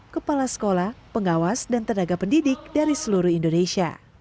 kepala sekolah pengawas dan tenaga pendidik dari seluruh indonesia